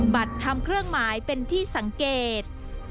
บัตรทำเครื่องหมายเป็นที่สังเกต